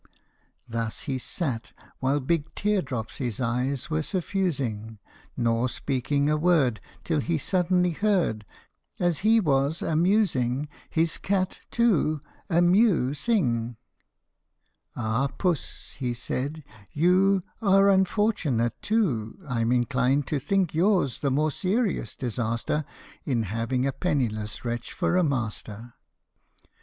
Thus he sat, while big tear drops his eyes were suffusing, Nor speaking a word, Till he suddenly heard, As he was a musing, his cat, too, a mew sing. " Ah, Puss," he said, " you Are unfortunate too ; I "m inclined to think yours the more serious disaster In having a penniless wretch for a master."